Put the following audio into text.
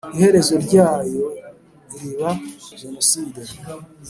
iherezo ryayo riba jenoside